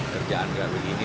kerjaan baru ini